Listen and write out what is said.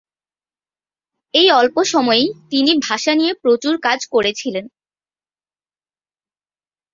এই অল্প সময়েই তিনি ভাষা নিয়ে প্রচুর কাজ করেছিলেন।